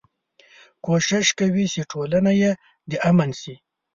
کوشش کوي چې ټولنه يې د امن شي.